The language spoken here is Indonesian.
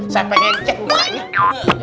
saya pengen chat rumahnya